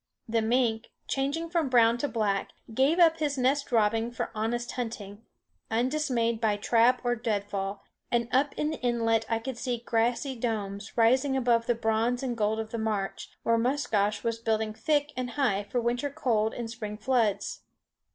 The mink, changing from brown to black, gave up his nest robbing for honest hunting, undismayed by trap or deadfall; and up in the inlet I could see grassy domes rising above the bronze and gold of the marsh, where Musquash was building thick and high for winter cold and spring floods.